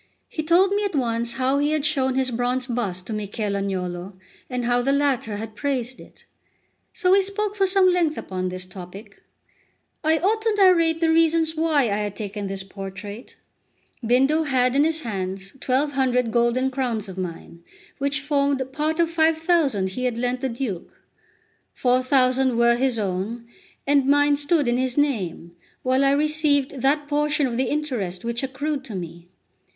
He told me at once how he had shown his bronze bust to Michel Agnolo, and how the latter had praised it. So we spoke for some length upon this topic. I ought to narrate the reasons why I had taken this portrait. Bindo had in his hands 1200 golden crowns of mine, which formed part of 5000 he had lent the Duke; 4000 were his own, and mine stood in his name, while I received that portion of the interest which accrued to me.